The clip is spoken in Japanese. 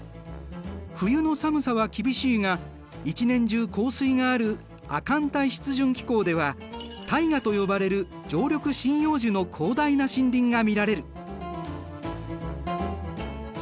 冬の寒さは厳しいが一年中降水がある亜寒帯湿潤気候ではタイガと呼ばれる常緑針葉樹の広大な森林が見られる。